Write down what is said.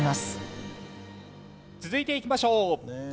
続いていきましょう。